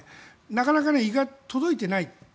なかなか意外に届いていない。